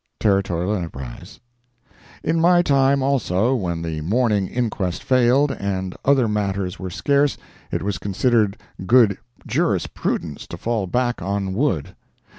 —Territorial Enterprise In my time, also, when the morning inquest failed, and other matters were scarce, it was considered good jurisprudence to fall back on wood.